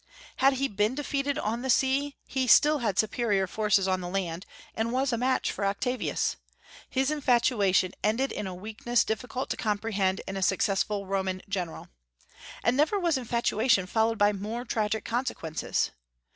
Had he been defeated on the sea, he still had superior forces on the land, and was a match for Octavius. His infatuation ended in a weakness difficult to comprehend in a successful Roman general. And never was infatuation followed by more tragic consequences.